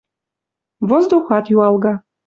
Воздухат юалга.